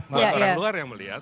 buat orang luar yang melihat